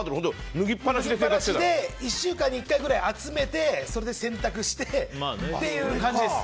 脱ぎっぱなしで１週間に１回ぐらい集めてそれで洗濯してっていう感じです。